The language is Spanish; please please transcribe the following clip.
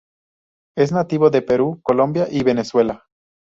Es nativo de Perú, Colombia y Venezuela.